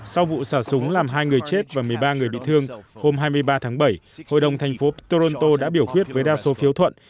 sau vụ xả súng làm hai người chết và một mươi ba người bị thương hôm hai mươi ba tháng bảy hội đồng thành phố poronto đã biểu quyết với đa số phiếu thuận